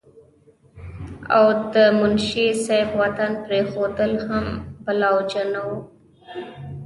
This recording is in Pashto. او د منشي صېب وطن پريښودل هم بلاوجه نه وو